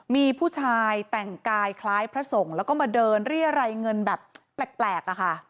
มีผู้ชายแต่งกายคล้ายพระสงฆ์แล้วก็มาเดินเรียรัยเงินแบบแปลกอะค่ะ